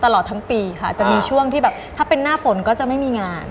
ตลอดทั้งปีค่ะจะมีช่วงที่แบบถ้าเป็นหน้าฝนก็จะไม่มีงาน